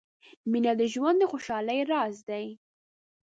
• مینه د ژوند د خوشحالۍ راز دی.